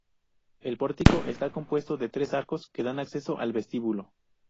El pórtico está compuesto de tres arcos, que dan acceso al vestíbulo.